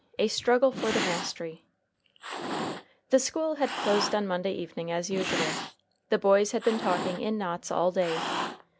A STRUGGLE FOR THE MASTERY The school had closed on Monday evening as usual. The boys had been talking in knots all day.